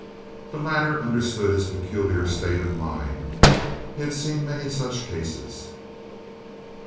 The latter understood his peculiar state of mind. He had seen many such cases.